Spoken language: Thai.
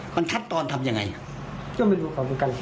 มันชัดตอนทำยังไงก็ไม่รู้เขาเหมือนกัน